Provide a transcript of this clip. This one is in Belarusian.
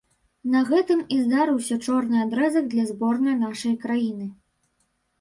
На гэтым і здарыўся чорны адрэзак для зборнай нашай краіны.